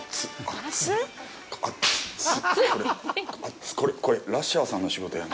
熱っ、これラッシャーさんの仕事やん。